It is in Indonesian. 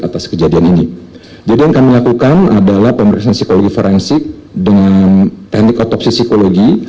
atas kejadian ini jadi yang kami lakukan adalah pemeriksaan psikologi forensik dengan teknik otopsi psikologi